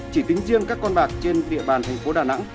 chỉ tính riêng các con bạc trên địa bàn thành phố đà nẵng